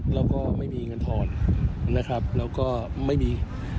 แล้วก็ไม่มีเงินทรรศแล้วก็ไม่มี